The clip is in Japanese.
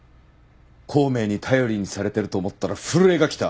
孔明に頼りにされてると思ったら震えがきた。